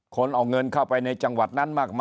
คนเอาเงินเข้าไปในจังหวัดนั้นมาก